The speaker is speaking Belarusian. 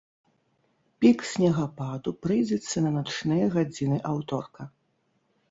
Пік снегападу прыйдзецца на начныя гадзіны аўторка.